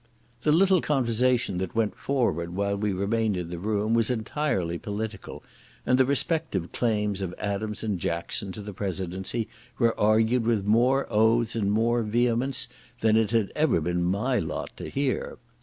The little conversation that went forward while we remained in the room, was entirely political, and the respective claims of Adams and Jackson to the presidency were argued with more oaths and more vehemence than it had ever been my lot to hear.